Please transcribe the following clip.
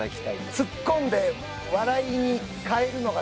ツッコんで笑いに変えるのが。